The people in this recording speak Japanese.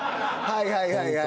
はいはいはいはい